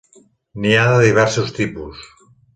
N'hi ha de diversos tipus.